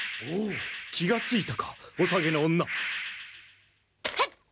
おお気が付いたかおさげの女へっ！